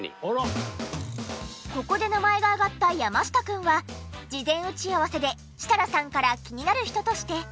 ここで名前が挙がった山下くんは事前打ち合わせで設楽さんから気になる人として。